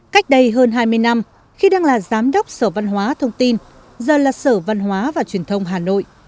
cách đây hơn hai mươi năm khi đang là giám đốc sở văn hóa thông tin giờ là sở văn hóa và truyền thông hà nội